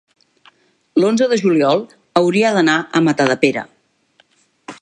l'onze de juliol hauria d'anar a Matadepera.